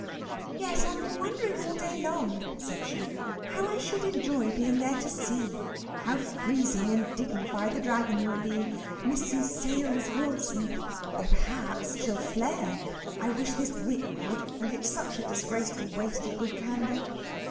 "Yes, I've been wondering all day long," said she. "How I should enjoy being there to see! How freezing and dignified the Dragon will be! Mrs. Sales Wilson! Or perhaps she'll flare. (I wish this wick would; and it's such disgraceful waste of good candle!)"